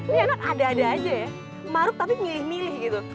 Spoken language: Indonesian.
ini enak ada ada aja ya maruk tapi milih milih gitu